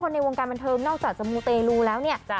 คนในวงการบรรเทิงนอกจากจมูตร์เตรลูแล้วเนี่ย